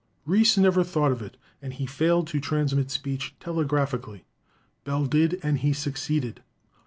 Reis never thought of it, and he failed to transmit speech telegraphically. Bell did and he suc ceeded.